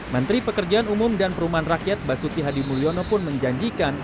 menteri pekerjaan umum dan perumahan rakyat basuki hadi mulyono pun menjanjikan